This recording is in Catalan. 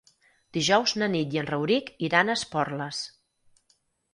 Dijous na Nit i en Rauric iran a Esporles.